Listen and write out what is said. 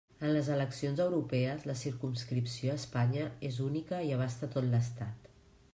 En les eleccions europees la circumscripció a Espanya és única i abasta tot l'Estat.